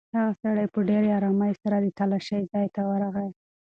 هغه سړی په ډېرې ارامۍ سره د تالاشۍ ځای ته ورغی.